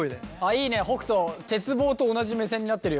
いいね北斗鉄棒と同じ目線になってるよ。